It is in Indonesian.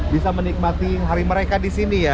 bisa menikmati hari mereka di sini ya